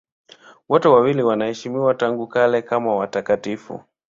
Wote wawili wanaheshimiwa tangu kale kama watakatifu.